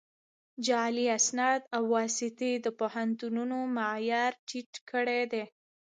جعلي اسناد او واسطې د پوهنتونونو معیار ټیټ کړی دی